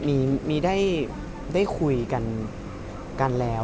มีครับมีได้คุยกันแล้ว